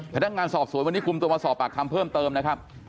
พนักงานสอบสวนวันนี้คุมตัวมาสอบปากคำเพิ่มเติมนะครับ